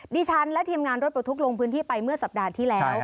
ดิฉันและทีมงานรถปลดทุกข์ลงพื้นที่ไปเมื่อสัปดาห์ที่แล้ว